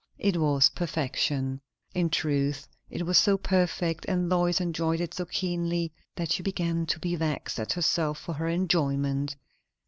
It was perfection. In truth it was so perfect, and Lois enjoyed it so keenly, that she began to be vexed at herself for her enjoyment.